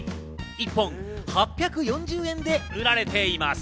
１本８４０円で売られています。